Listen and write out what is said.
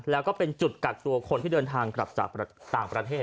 แล้วก็เป็นจุดกักตัวคนที่เดินทางกลับจากต่างประเทศ